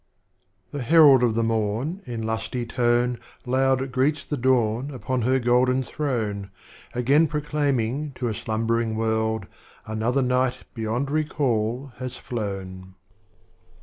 "The Herald of tlie Morn, in lusty tone, Loud greets the Dawn upon her Golden Throne, Again proclaiming to a Slumbering World, Another Night beyond recall has flown.